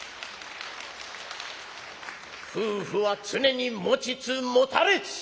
「夫婦は常に持ちつ持たれつ。